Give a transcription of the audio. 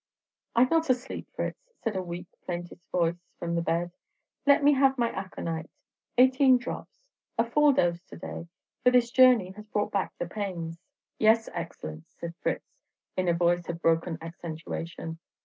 "I 'm not asleep, Fritz," said a weak, plaintive voice from the bed. "Let me have my aconite, eighteen drops; a full dose to day, for this journey has brought back the pains." "Yes, Excellenz," said Fritz, in a voice of broken accentuation.